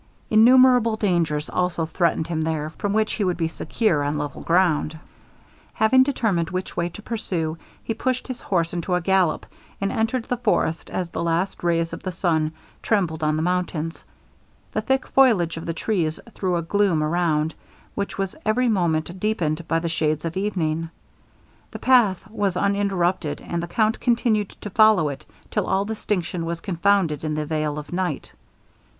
Innumerable dangers also threatened him here, from which he would be secure on level ground. Having determined which way to pursue, he pushed his horse into a gallop, and entered the forest as the last rays of the sun trembled on the mountains. The thick foliage of the trees threw a gloom around, which was every moment deepened by the shades of evening. The path was uninterrupted, and the count continued to follow it till all distinction was confounded in the veil of night.